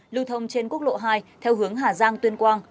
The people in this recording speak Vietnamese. lưu thông trên quốc lộ hai theo hướng hà giang tuyên quang